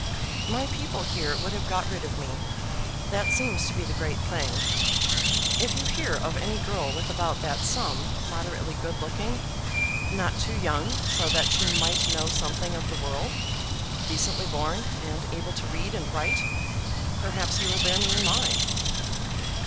"My people here would have got rid of me. That seems to be the great thing. If you hear of any girl with about that sum, moderately good looking, not too young so that she might know something of the world, decently born, and able to read and write, perhaps you will bear me in mind."